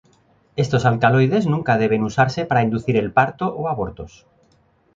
Estos alcaloides nunca deben usarse para inducir el parto o abortos.